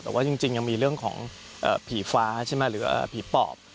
แต่ว่าจริงยังมีเรื่องของผีฟ้าหรือผีปอบ